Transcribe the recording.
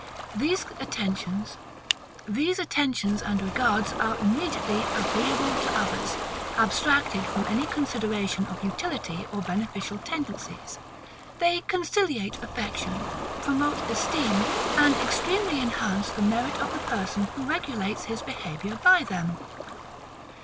These attentions and regards are immediately AGREEABLE to others, abstracted from any consideration of utility or beneficial tendencies: they conciliate affection, promote esteem, and extremely enhance the merit of the person who regulates his behaviour by them.